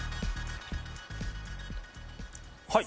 はい。